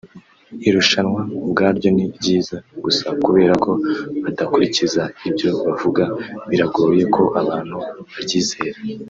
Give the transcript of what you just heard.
Irushanwa ubwaryo ni ryiza gusa kuberako badakurikiza ibyo bavuga biragoye ko abantu baryizera